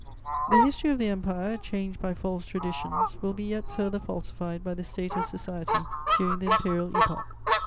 The history of the Empire, changed by false traditions, will be yet further falsified by the state of society during the imperial Epoch.